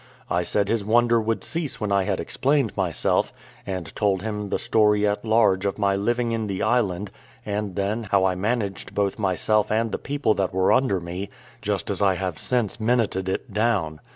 I said his wonder would cease when I had explained myself, and told him the story at large of my living in the island; and then how I managed both myself and the people that were under me, just as I have since minuted it down.